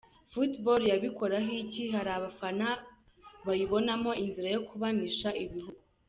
Football yabikoraho iki? Hari abafana bayibonamo inzira yo kubanisha ibihugu.